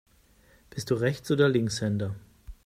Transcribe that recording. Bist du Rechts- oder Linkshänder?